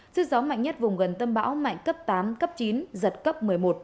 sức gió mạnh nhất vùng gần tâm bão mạnh cấp tám cấp chín giật cấp một mươi một